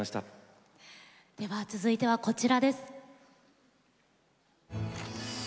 では続いてはこちらです。